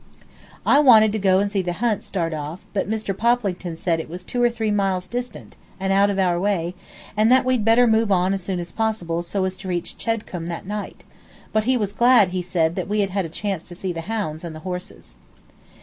I wanted to go see the hunt start off, but Mr. Poplington said it was two or three miles distant, and out of our way, and that we'd better move on as soon as possible so as to reach Chedcombe that night; but he was glad, he said, that we had had a chance to see the hounds and the horses.